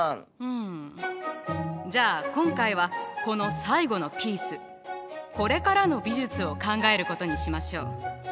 うんじゃあ今回はこの最後のピース「これからの美術」を考えることにしましょう。